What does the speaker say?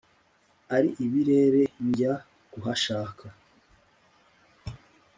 ari ibirere njya kuhashaka.